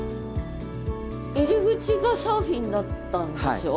入り口がサーフィンだったんでしょ？